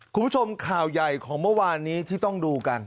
คุณผู้ชมข่าวใหญ่ของเมื่อวานนี้ที่ต้องดูกัน